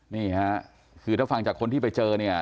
นี่ค่ะคือถ้าฟังจากคนที่ไปเจอเนี่ย